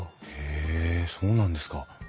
へえそうなんですか。